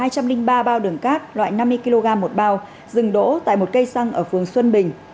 chở hai trăm linh ba bao đường cát dừng đỗ tại một cây xăng ở phường xuân bình